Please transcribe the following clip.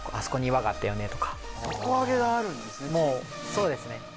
そうですね。